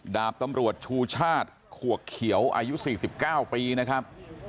ดาบตำรวจชูชาติขวกเขียวอายุ๔๙ปีนะครับ